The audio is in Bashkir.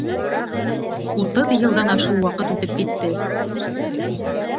Утыҙ йылдан ашыу ваҡыт үтеп китте.